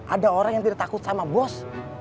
ada orang yang tidak takut sama bos